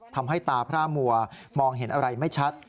ทำให้ตาพร่ามัวมองเห็นอะไรไม่ชัด